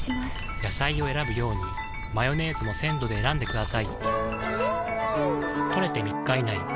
野菜を選ぶようにマヨネーズも鮮度で選んでくださいん！